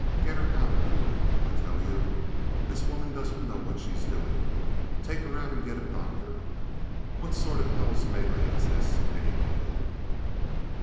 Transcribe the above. Get her out of here, I tell you! This woman doesn't know what she's doing. Take her out and get a doctor. What sort of a hell's melee is this, anyway?"